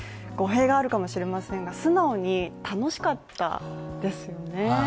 語弊があるかもしれませんが、素直に楽しかったんですよね。